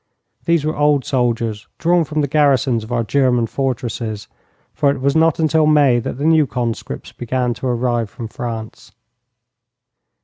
These were old soldiers drawn from the garrisons of our German fortresses, for it was not until May that the new conscripts began to arrive from France.